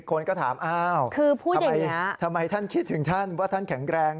คนก็ถามอ้าวทำไมท่านคิดถึงท่านว่าท่านแข็งแรง